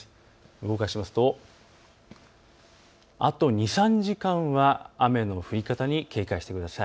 動かしますとあと２、３時間は雨の降り方に警戒してください。